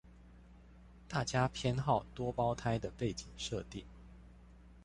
大家偏好多胞胎的背景設定